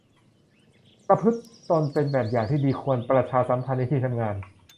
ประพฤติตนเป็นแบบอย่างที่ดี ควรประชาสัมพันธ์ในที่ทำงาน